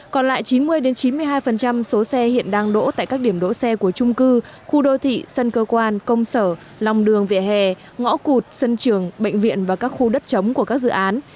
còn lại chín mươi chín mươi hai số xe hiện đang đỗ tại các điểm đỗ xe của trung cư khu đô thị sân cơ quan công sở lòng đường vỉa hè ngõ cụt sân trường bệnh viện và các khu đất chống của các dự án